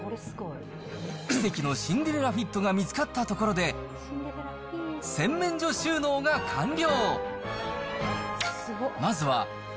奇跡のシンデレラフィットが見つかったところで、洗面所収納が完了。